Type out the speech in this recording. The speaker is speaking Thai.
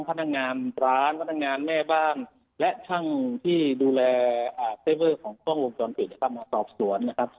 พนักงานร้านพนักงานแม่บ้านและทั้งที่ดูแลของกล้องวงจรอบสวนนะครับ